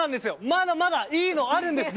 まだまだいいのがあるんです。